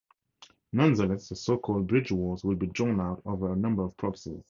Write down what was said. Nonetheless, the so-called "Bridge Wars" would be drawn out over a number of proxies.